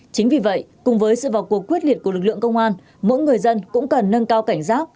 chính vì vậy cùng với sự vào cuộc quyết liệt của lực lượng công an mỗi người dân cũng cần nâng cao cảnh giác